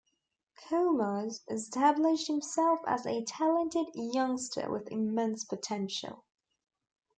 Koumas established himself as a talented youngster with immense potential.